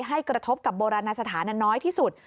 กระทบกับโบราณสถานน้อยที่สุด